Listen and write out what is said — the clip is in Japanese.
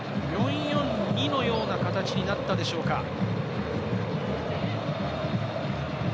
４−４−２のような形になったでしょうか。